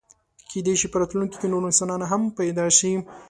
کېدی شي په راتلونکي کې نور انسانان هم پیدا شي.